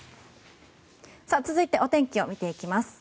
続いてお天気を見ていきます。